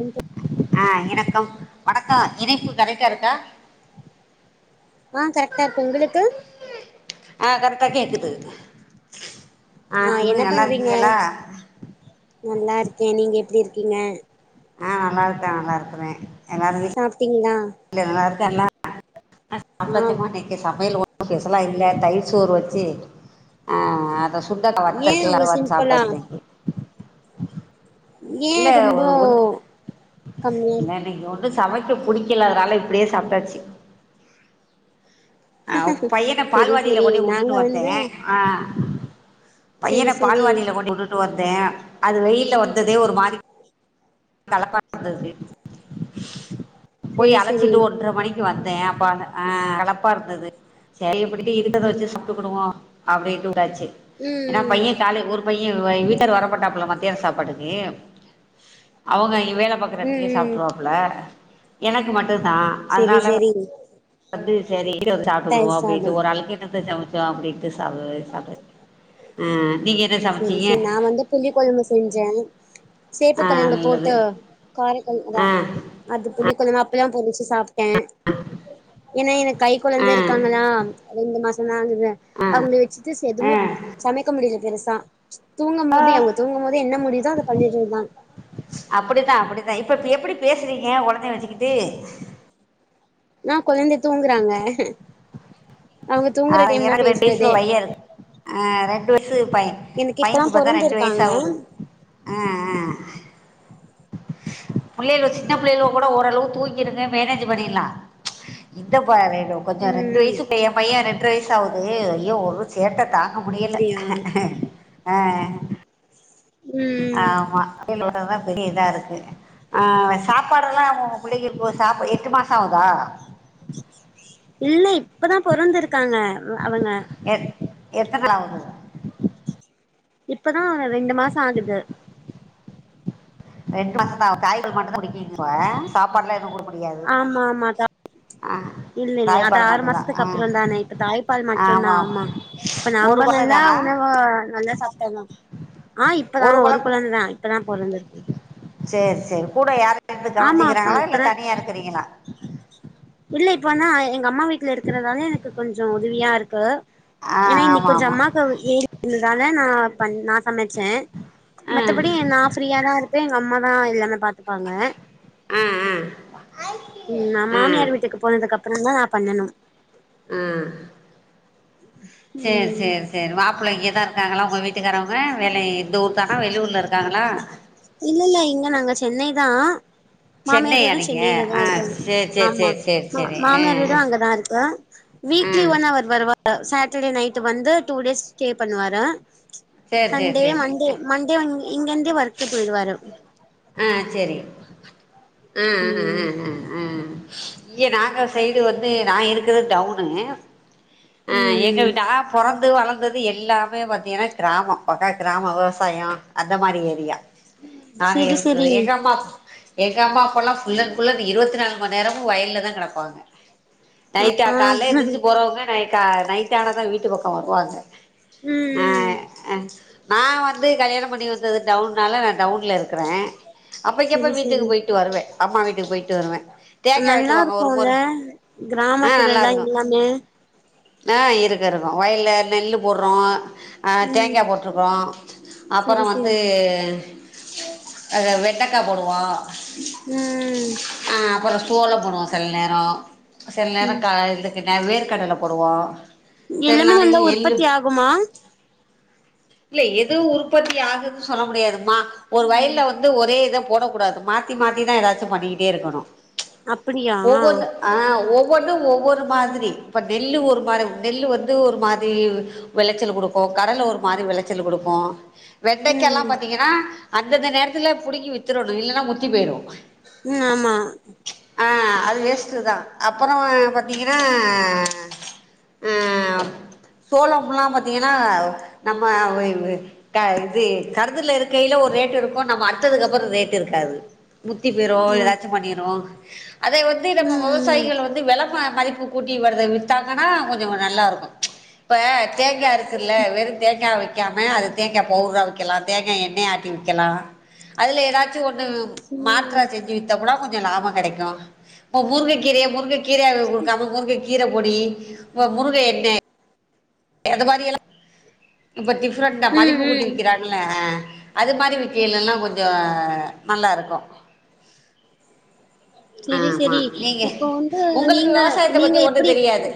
எந்த ஆஹ் இணக்கம் வணக்கம் இணைப்பு கரைட்டா இருக்கா ஆஹ் கரெக்டா இருக்கு உங்களுக்கு ஆஹ் கரக்டா கேக்குது ஆஹ் என்ன பண்றீங்க நல்லா இருக்கே நீங்க எப்டி இருக் கீங்க ஆஹ் நல்லா இருக்கே நல்லா இருக்குறே சாப்ட்டீங்களா ல நல்லா அடுத்தென்னா ஆ சாப்டாச்சுமா இன்னைக்கு சமையல் ஒ பெசலா இல்ல தயிர் சோறு வச்சு அஹ சுண்டக்கா ஏ வத்தருக்குல இவ்ளோ அதவறுத்து சிம்பிளா சாப்புட்டாச்சு இன்னக்கி ஏன் ரொம்ப ஒரு ஒன்று கம்மியா இல்லை இருக்கு இன்னைக்கு சமைக்க புடிக்கலனால இப்படியே சாப்பிட்டாச்சு அஹ் பையன செரி பால்வாடியில செரி கொண்டி நாங்க விட்டுட்டு வந்து வந்தேன் ஆஹ் பையன செரி செரி பால்வடியில கொண்டி விட்டுட்டு வந்தேன் அது வெயில வந்த அதே ஒரு மாரி களப்பாருந்தது போய் செரி செரி அலச்சிட்டு ஒன்றா மணிக்கு வந் தேப்பானு களப்பா இருந்தது சரிப்பட்டு இருக்கத வச்சு சாப்ட்டுகுடுவோம் அப்டின்ட்டு வுடாச்சு ஏன்னா ம் பையன் கால ஓர் பையன் இவ்வை வீட்டாண்ட வர மாட்டாப்புல மத்தியான சாப்பாட்டுக்கு அவுங்க அங்க வேல பாக்குற ம் ம் இடத்திலேயே ம் சாப்பிருவாப்புல எனக்கு மட் அது தான் செரி அதனால செரி அது சரி இருவது சாப்பிட்டு தயிர் விடுவோம் அப்பிட்டு சாதம் ஒரு ஆளுக்கு இத்தத்த சமைச்சு டோன் அப்பிடிட்டு சாப் சாப்டாச்சு நீங்க என்ன செரி சமைச்சீங்க செரி நான் வந்து புளிகொலம்பு செஞ்சேன் ஆ சேப்பக்கிழங்கு நல்லது போட்டு காரக்கொலம்பு ஆ தான் அது புளிக்குலம் பலம் போிச்ச சாப் டென் என்ன எனக் கை குழந்த ஆ இருக்காங்களா இந்த மாசம் நானு கிர ஆ அவங்கள வச்சிட்டு எதுவுமே ஆ சமைக்க முடில தேனுசா [unintelligible] தூங்கும் போதே அவங்க தூங்கும் போதே என்ன முடியுதோ அத பண்ணிறது தான் தா இப்ப எப்டி பேசுறீங்க குழந்தய வச்சுக்கிட்டு இனா குழந்தை தூங்குறாங்க அவங்க தூங்குற ஆஹ டைம் தா எனக்கு ரண்டு வயசுல பேசுறதே பையன் இருக்கு ஆஹ் ரெண்டு வயசு பையன் எனக்கு இப்பதா பையனுக்கு பத்தா ரெண்டு வயசு பொறந்திருக்காங்க ஆவுது ஆஹ்ஹ் புள்ளைலொ சின்ன புள்ளைலொ கூட ஓரளவு தூங்கிருங்க மேனேஜ் பண்ணிர்லா இந்த ப கொஞ்ச ரெண்டு ம் வயசு பைய ஏ பைய ரெண்ற வயசு சாவுது ஐயோ ஒரு சேட்ட தாங்க முடியல அப்டியா ஆ ஆ ம் ஆமா புள்ளேகளோடதா பெரிய இதா இருக்கு ஆ சாப்பாடல்லா அவ புள்ளைக்கி இப்போ சாப் எட்டு மாசொ ஆவுதா இல்லை இப்பதா பொறந்திருக்காங்க அவுங்க எத்தனாவுது இப்பதா ரெண்டு மாச ஆகுது ரெண்டு மாசதா ஆவு தாய் பால் மட்டு குடிக் [unintelligible] வ சாப்பாடுலா எதுவு [inaudible] முடியாது ஆ இல்லெல்ல அது தாய்ப்பால் ஆறு மட்டும்தான் மாசத்துக்கு ஆ அப்புறந்தானே இப்ப தாய்ப்பால் மட்டுந்தா ஆமாம் ஆமா இப்ப ஒரு நம்ப குழந்தை நல்லா தானா உணவ நல்லா சாப்டாதா ஆ இப்பதா ஒரு குழந்ததா இப்பதா பொறந்துருக்கு சேரி சேரி கூட யாரு [unintelligible] கவனுச்சுக்குறாங்களா இல்ல இப்பதா தனியா இருக்குறீங்களா இல்ல இப்போனா எ ங்கம்மா வீட்ல இருக்கிறதால எனக்கு கொஞ்சோ உதவியா இருக்கு ஆ ஏன்னா இன்னைக் ஆமாம் கொஞ்சோ ஆமாம் அம்மாக்கு [unintelligible] தால நா பண் நா சமச்சே ம் மத்தபடி நா ஃப்ரீயா தா இருப்பே எங் கம்மா தா எல்லாமே பாத் துப்பாங்க ஆ ஆ ம் நா ஆ மாமியார் வீட் அதுக்கு அப்புறந்தா நா பண்ணனு ஆ சேரி ம் சேரி சேரி மாப்பிள்ள இங்கதாரு க்காங்களா உங்க வீட்டுக்காரவ்ங்க வேலை இந்த ஊர் தானா வெளியூர் இல்லல்ல இங்க நாங்க சென்னை தா மாமியார் சென்னையா வீடு நீங்கள் சென்னைல தா ஆ இருக்காங்க சரி சரி ஆமா சரி சரி சரி ஆ மாமியார் வீடு அங்கதா இருக்கு ஆ வீக்லி ஒன் அவர் வருவா ரு சாட்டர்டே நைட்டு வந்து டூ டேஸ் ஸ்டே பண்ணுவாரு சரி சரி சண்டே சரி மண்டே மண்டே ஒன் இங்கெந்தே வர்க்கு போயிருவாரு ஆ சேரி ஆஹ் ஆஹ் ம் ஆஹ் ஆஹ் ஆஹ் ஏ நாங்க சைடு வந்து நா இருக்குற டவுன்னு அஹ் ம் எங்கில்டா பொறந்து வளந்தது எல்லாமே பார்த்தீங்கன்னா கிராமம் பக்கா கிராம விவசாயம் அந்த மாரி ஏரியா செரி ச ரக எங்கம்மா எங்க அம்மா அப்பெல்லாம் புல்லண் புல்லா இருபத்தி நாலு மணி நேரமும் வயல்ல தான் கிடப்பாங்க ஆ நைட்டா கால ம் எந்திரச்சு போறவங்க நைட் க்க நைட்டான ஆனதான் வீட்டு பக்கோ வருவாங்க ம் ஆஹ்ஹ நா வந்து கல்யாணம் பண்ணிணு வந்தது டவுன்னநாள டவுனில் இருக்கிறேன் அப்பைக்கு அப்ப செரி வீட்டுக்கு செரி போயிட்டு வருவேன் அம்மா வீட்டுக்கு போயிட்டு வருவே தேங்கா நல்லா வெட்டுவாங்க ஒரு முற இருக்கும்ல கிராமத்துல எல்லா எல்லாமே ஆஹ் இருக்க இருக்கும் வயல நெல்லு போடுறோம் அஹ் ம் தேங்காய் போட்டிருக்கிறோம் செரி அப்புறம் செரி வந்து அ வெட்டைக்காய் போடுவான் உம் சோலை போடுவோம் சில நேரம் சில நேரம் ம் க இருக்கு வேறு கடல பருவா எல்லாமே நந்தா உற்பத்தி ஆகுமா இல்ல எது உற்பத்தி ஆகுன்னு சொல்ல முடியாதுமா ஒரு வயல்ல வந்து ஒரே இத போடக்க கூடாது மாத்தி மாத்திதான் ஏதாச்சும் பண்ணிக்கிட்டே இருக்கணும் அப்படியா ஒவ்வொரு ஆஹ் ஒவ் ஒவ்வொன்னும் ஒவ்வொரு மாதிரி இப்ப நெல்லு ஒரு மாரி நெல்லு வந்து ஒரு மாதிரி விளைச்சல் கொடுக்கும் கடலை ஒரு மாரி விளைச்சல் கொடுக்கு வெண்டைக்க எல்லாம் ம் பாத்தீங்கன்னா அந்தந்த நேரத்துல புடுங்கி வித்துரனும் இல்லைன்னா முத்தி போயிரும் உம் ஆமா ஆஹ அது லெஸ்ட்டு தான் அப்புறம் பாத்தீங்கன்னா ஆஹ் சோளம்ல்லாம் பாார்த்தீங்கன்னா நம்ம வே வே க இது கருதுல இருக்கில ஒரு ரேட்டு் இருக்கும் நம்ம அடுத்ததுக்குப்புறம் ரேட்டு இருக்காது முத்தி போயிரோ ஆ ஏதாச்சும் பண்ணிரோ ஹ அதை வந்து ம் நம்ம ம் விவசாயிகள் வந்து விள மதிப்பு கூட்டி வித்தாங்கன்னா கொஞ்சம் நல்லா இருக்கும் ச்சு இப்ப தேங்காய் இருக் ல்ல வெறுக் தேங்க வைக்காம அது தேங்க் பவுடர்ரா வைக்கலாம் தேங்காய் எண்ணெய் ஆட்டி விக்கலாம் அல ஏதாச்சும் ஒன் மாத்திர செஞ்சு வித்த கூட கொஞ் லாபம் கிடைக்கும் இப்ப முருங்கைக்கீரை முருங்கக்க கீரையா குடுக்காமங்க முருங்கை கீரை பொடி முருங்கை எண்ணெய் எது மாரி எல்லாம் இப்போ டிஃபன் தான் ம் மதிப்பு கூட்டி ம் விற்கிறாங்களே அது மாதிரி விக்கல எல்லாம் கொஞ்சம் நல்லா இருக்கோம் செரி ஆமா செரி நீங்க இப்போ வந்து உங்களுக்கு நீங்க விவசாயத்தை நீங்க பத்தி ஒன்னும் எப்டி தெரியாது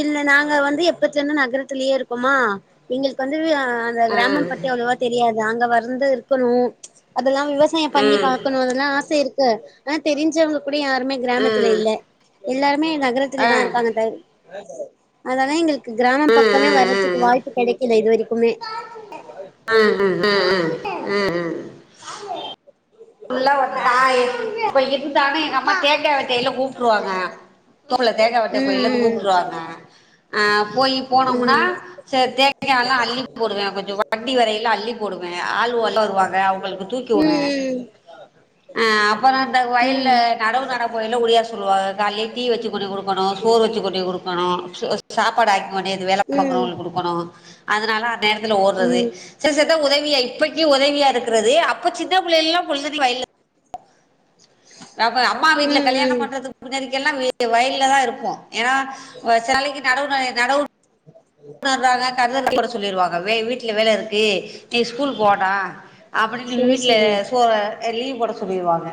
இல்ல நாங்க வந்து எப்பத்தலந்து நகரத்துலயே இருக்கோமா எங்களுக்கு வந்து அந்த ஆ கிராமம் பத்தி அவ்வளவா தெரியாது அங்க வர் வந்து இருக்கணும் அதெல்லா விவசாயம் பண்ணி ம் பாக்கணும் அதெல்லாம் ஆசை இருக் ஆனா தெரிஞ்சவங்ப் கூட யாருமே கிராமத்தல ம் இல்ல எல்லாருமே நகரத்துல ஆ தான் இருக்காங்க அதா அதலா எங்களுக்கு கிராமம் ம் ம் பக்கமே ம் வரதுக்கு வாய்ப்பு கெடைக்கல இது வரைக்குமே உம் உம் உம் ஹே ம் ம் உள்ள ஒறுத்த ஆய் பவி அம்மா கேக்க வெட்டையல்ல கூப்பிற்றுவாங்க தோல தேங்கா வட்டை கோயில ம் கூப்பிருவாங்க போய் போனோ கூட ம் சரி தேங்காய் லா அல்லி போடுவேன் கொஞ்சம் வண்டி வரையில அள்ளி ஆளு உலருவாங்க வருவாங்க அவங்களுக்கு ம் தூக்கிவு ம் அஹ அப்பறம் இந்த வயல்ல ம் நடவு நட போயல்ல [unintelligible] சொல்லா காலையே டீ வச்சு குடிக் [unintelligible] சோறு வேச்சு கொட்டி கொடுக்கணும் சாப்பாடு ஆக்கி நேத்து வேலை ம் பாக்கறவங்களுக்கு குடுக்கணும் அதனலா நேரத்தில ஓடுறது ம் சில சத்த உதவிய இப்பக்கி உதவியா இருக்கிறது அப்ப சின்ன பிள்ளைல்லாம் புலரிவைல அப்ப அம்மா வீட்டுல ம் கல்யாணம் ம் பண்றதுக்கு முன்னாடி எல்லாம வ வயல்ல தா இருப்போம் ஏனா சேலைக்கு நடவுனாயே நடவு உறாங்க கருத கூட சொல்லியிருவாங்க வே வீட்டுல வேல இருக்கு நீ ஸ்கூல் போடா அப்டினு செரி வீடல செரி சோற லீவு போட சொல்லிடுவாங்க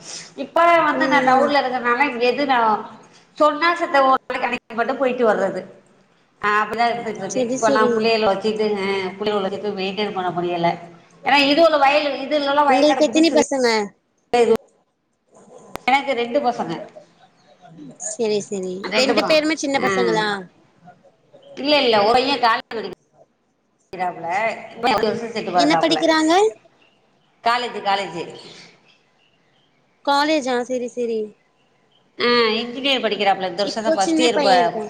இஸ்... ஈ இப்ப வந்து நா ம் ம் டவுன்ல இருக்கிற னால எது நா சொன்னா செத்த ஒரு கடைக்கு மட்டு போயிட்டு வர்றது ஆஹ அப்டிதான் இருந்துட்டு இருக்கு செரி இப்போலாம் செரி புள்ளகளா வச்சு துங்க புள்ளைகள்ளது வெய்டென் பண்ண முடியல ஏன்னா இருவது வயதுல இந்து இவளோ உங்களுக்கு வயது எத்தினி புதுசு இல்ல பசங்க கைவு எனக்கு ரெண்டு பசங்க செரி செரி ரெண்டு அண்டுப்புறம் பேருமே சின்ன ஹான் பசங்களா இல்ல இல்ல ஒரேயன் கால [unintelligible] கிராப் புல இவன் பத்துசம் செட்டு என்ன பொறதாப்புல படிக்கிறாங்க காலேஜி காலேஜி காலேஜா செரி செரி ஆஹ் இன்ஜினர் படிக்கிறாப்புல இந்த வருஷம் இப்போ தான் சின்ன ஃபஸ்ட்யிர் பா பைய இருக்கா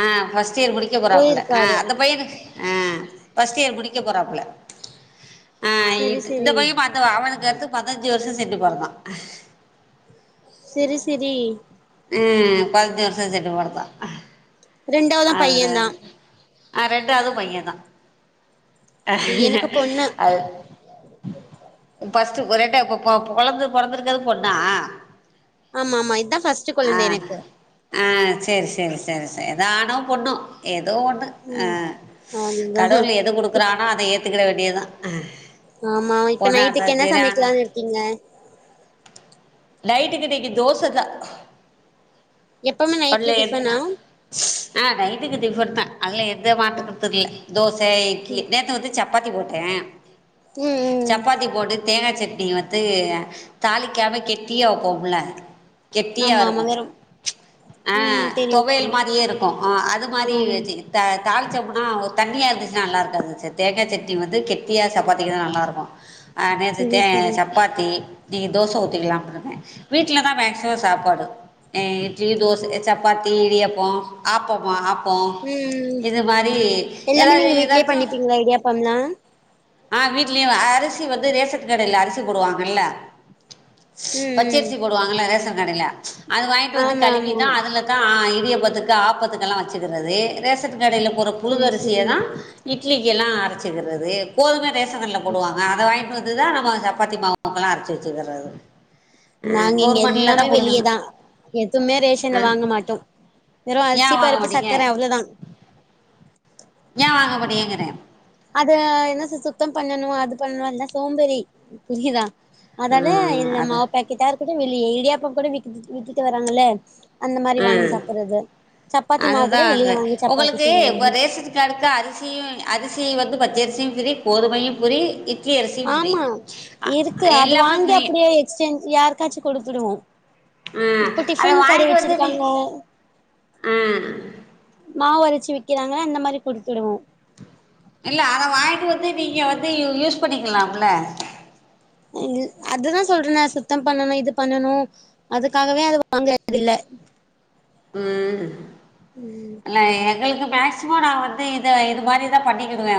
ஆஹ் வ சீர் முடிக்க போறாப்புல போயிருக்காரு அந்த பயனுக்கு ஹான் ஃபர்ஸ்ட் இயர் முடிக்க போறாப்புல ஆஹ் இ செரி இந்த செரி பய்யன் பார்த்த அவனுக்கு அடுத்து பதினஞ்சு வருஷம் சட்டடு பொறந்தா விசிடி உம் பஞ்ச வருஷம் செட்டு போறந்தான் ரெண்டாவுதான் பையன் தான் ஆ ரெண்டுவதும் பையன் தான் அது எனக்கு பொண்ணு அப்ப டு ஒருட்ட இப்ப இப்ப கொழந்த பிறந்த இருக்கது பொண்ணா ஆமா ஆமா இததுதான் ஃபர்ஸ்ட் ஆ குழந்த எனக்கு ஆ சேரி சேரி சேரி சேரி எத ஆனும் பொண்ணும் எ ஏதோ ஒண்ண ம் அஹ் அதுதா கடவுள் எது கொடு இப் ஆனா எ கத்துக்கிட வேண்டியதான் ஆமா இப்ப நைட்டுக்கு என்ன சமைக்கலாம்னு இருக்கீங்க நைட்டுக்கு இன்னிக்கு தோச தான் எப்பவுமே நைட்ல டிஃபனா [unintelligible] ஆஹ் நைட்டுக்கு டிஃபன் தா அதில எந்த மாட்டு கருத்துள்ள தோச இட்லி நேத்த வந்து சப் சப்பாத்தி போட்டேன் ம் ம் சப்பாத்தி போட்டு தேங்காய் சட் நீ வந்து தாளிக்காம கெட்டிய வைப்போம்ல கெத்தியா ஆமா ஆமா இருக்கும் வேற ஆ ம் தெரியு தொவல் தெரியு மாரியே இருக்கும் ஆ அது மாரி ம் வச்சி த தாலிச்சாப்புனா ஒரு தண்ணியா இருந்துச்சுன்னா நல்லா இருக்காது அது தேக்காய் சட்னி வந்து கெட்டியா சப்பாத்தக்குன்னா நல்லா இருக்கும் அ னேது செரி தே செரி சப்பாத்தி இன்னிக்கு தோச ஊத்திக்கலாம்னுஇருக்க வீட்டுலதான் மேக்சிமம் சாப்பாடு அஹ் இட்லி தோ சப்பாத்தி இடியப்போம் ஆப்பமாம் ஆப் போ ம் இது மாரி எல்லாமே ஏதா நீங்க வீட்லயே ஏதாச்சும் பண்ணிப்பீங்களா இடியாப்பம்லா ஆஹ் வீடலயே அரிசி வந்து ரேஷத்து கடையில அரிசி போடுவாங்கல்ல ம் ம் பச்சரிசி போடுவாங்கள ரேஷன் கடையில அது வாங்கிட்டு வந்து ஆமா கழுவி ஆமா அதுலக இ இடியபத்துக்கு ஆபத்துக்கெல்லாம் வச்சுக்கிறது ரேச கடையில போற செரி புழுதரிசைய செரி தான் இ இட்லிக்குஎல்லா அரைச்சுக்கிறது கோதும ரேசன்கடையில போடுாங்க அத வாங்கிட்டு வந் அதுதான் நம்ம சப்பாத்தி மாவுக்கெல்லாம் அரைச்சு வச்சுகிறது நாங்க இங்க எல்லாமே வெளியேதான் எதுவுமே ரேஷன் ஆ வாங்க மாட்டோம் வெறும் அரிசி ஏன் வாங்க பருப்பு மாட்டீங்க சர்கக்கர அவ்வளவுதான் ஏ வாங்கபொடிய கேட்டே அது என்ன சுத்தம் பண்ணணு அது பண்ணுன் இல்ல சோம்பறி புரியிதா அதால இல்ல அது மாவுப்பாக்கெட்டாரு கூட வெளிய இடியாப்பம் கூட விக் வித்துட்டு வராங்கல்ல அந்த மாரி ஆ வாங்கி சாப்புறது சப்பாத்தி மாவு அதுதா கூட வெளிய அது வாங்கி சப்பாத்தி உங்களுக்கு இப்ப சுடுவாங்க ரேஷன் கார்டுக்கு அரிசியு அரிசி வந்து பச்சரிசியு ஃப்ரீ கோதுமையு ஃப்ரீ இ ஆமா இருக்கு அது எல்லாமே வாங்கி ஃப்ரீ அப்புடியே எக்ஸ்சேஞ்ச் யாருக்காச்சு கொடுத்துடுவோ உம் அத வாங்கி வந்து நி வச்சிருக்காங்க ஆ ச்சு விக்கிறாங்க அந்த மாரி குடுத்துருவோ இல்ல அத வாங்கிட்டு வந்து நீங்க வந்து யூஸ் பண்ணிக்கலாம்ல அதுதா சொல்றனே சுத்தம் பண்ணணு இது பண்ணணு அதுக்காகவே அது வாங்ரதில்ல உம் ல‌ ஏங்களுக்கு மேக்சிமம் நா வந்து இத இது மாரிதா பண்ணிகிடுவே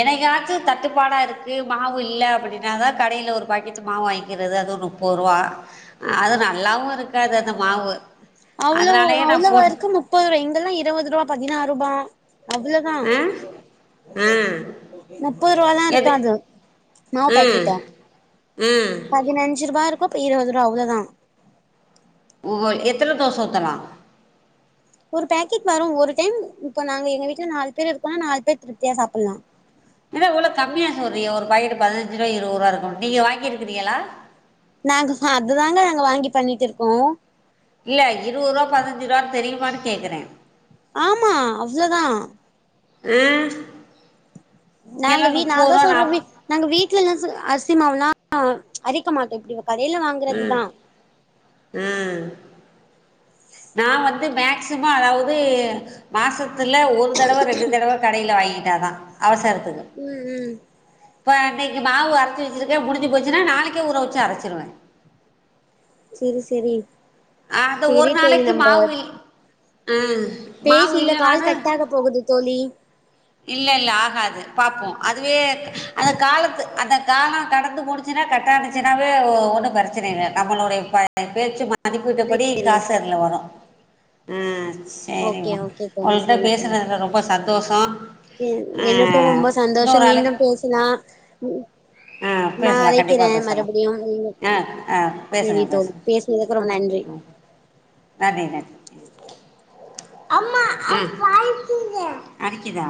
என்னைக்காச்சு தட்டுப்பாடா இருக்கு மாவு இல்ல அப்புடின்னாதா கடைல ஒரு பாக்கெட் மாவு வாங்கிக்கிறது அதுவு முப்பருபா அது நல்லாவு இருக்காது அந்த மாவு அவ்ளோ அதனாலயே நா போட்டு அவ்ளவாருக்கு முப்பதுருவா இங்கெல்லா இருவதுருவா பதினாறுபா அவ்ளோதா ஆ ஆ முப்பதுருவால்லா எது இருக்காது மாவு ஆ பாக்கெட்டு ஆ பதினஞ்சு ருபா இருக்கு இருவதுருவா அவ்ளதா ஒ எத்தன தோச ஊத்தலா ஒரு பேக்கெட் வரு ஒரு டைம் இப்ப நாங்க எங்க வீட்ல நாலு பேர் இருக்கோனா நாலு பேர் திருப்தியா சாப்புல்லா இத இவ்ளொ கம்மியா சொல்றியெ ஒரு பாக்கெட் பதினஞ்சு ருவா இருவருவா இருக்கும் நீங்க வாங்கிருக்கிறீங்களா நாங்க அதுதாங்க நாங்க வாங்கி பண்ணிட்டு இருக்கோ இல்ல இருவது ருவா பதினஞ்சு ருவான் தெரியுமான் கேக்குறே ஆமா அவ்ளதா உம் நாங்க வீ நாதா சொல்ற வி நாங்க வீட்லல்லா அரிசிமாவ்லா ஆ அரைக்க மாட்டோ எப்டியு கடைல ம் வாங்குறதுதா ம் நா வந்து மேக்சிம அதாவ்து மாசத் துல ஒரு தடவ ரெண்டு தடவ கடைல வாங்கி ததா அவசரத் உம் உம் இப்ப இன்னக்கி மாவு அரச்சு வச்சிருக்கே முடுஞ்சு போச்சுனா நாளைக்கே ஊற வச்சு அரச்சிருவே சேரி சேரி அது ஒரு நாளைக்கு மாவு ஆ பேசு மாவு இல்ல கால் கட்டாக போகுது தோழி இல்லெல்ல ஆகாது பாப்போ அதுவே அந்த காலத்து அந்த காலொ கடந்து போனுச்சுனா கட்டானச்சுனாவே ஒன்னு பிரச்சன இல்ல நம்மளுடைய பேச்சு ம மதிப்பூட்டபடி சரி காசர்ல வரும் ஆஹ் ஓகே சேரிமா ஓகே தோழி உங்கள்கிட்ட பேசுறதுல ரொம்ப சந்தோஷம் கே எனக்கும் ரொம்ப சந்தோஷம் மீண்டும் பேசலா ஆ நா பேசலா கண்டிப்பா அழைக்கிறேன் பேசலா மறுபடியும் நீங்க ஆ ஆ பேசுங்க சேரி தோழி பேசுங்க பேசினதுக்கு ரொம்ப நன்றி ஆஹ் அரிக்குதா